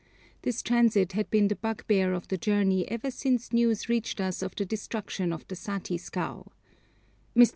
This transit had been the bugbear of the journey ever since news reached us of the destruction of the Sati scow. Mr.